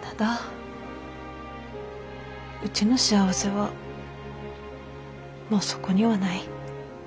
ただうちの幸せはもうそこにはない。